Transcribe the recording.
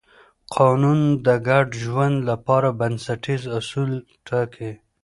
قانون د ګډ ژوند لپاره بنسټیز اصول ټاکي.